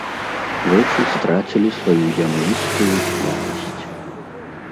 Вочы страцілі сваю зямлістую цьмянасць.